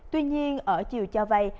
tuy nhiên ở chiều cho vay